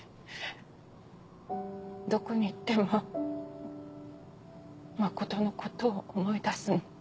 どこに行っても誠のことを思い出すの。